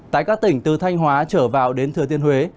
tại các tỉnh từ thanh hóa trở vào đến thừa thiên huế